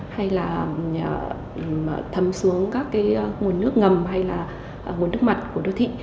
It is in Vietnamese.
hay là thấm xuống các cái nguồn nước ngầm hay là nguồn nước mặt của đô thị